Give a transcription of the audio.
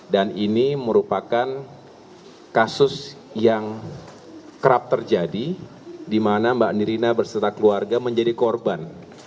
dan ini merupakan kasus yang kerap terjadi di mana mbak nirina berserta keluarga menjadi korban